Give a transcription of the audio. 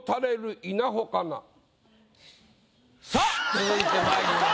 続いてまいりましょう。